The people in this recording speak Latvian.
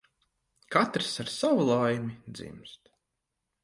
Katrs ar savu laimi dzimst.